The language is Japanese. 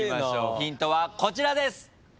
ヒントはこちらです。